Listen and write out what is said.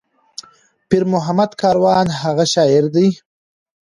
پير محمد کاروان هغه شاعر دى